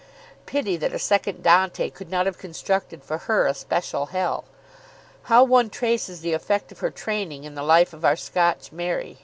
Pity that a second Dante could not have constructed for her a special hell. How one traces the effect of her training in the life of our Scotch Mary.